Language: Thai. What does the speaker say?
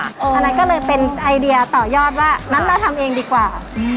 อันนั้นก็เลยเป็นไอเดียต่อยอดว่างั้นเราทำเองดีกว่า